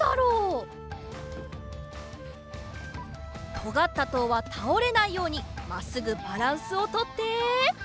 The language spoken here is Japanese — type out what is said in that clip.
とがったとうはたおれないようにまっすぐバランスをとって。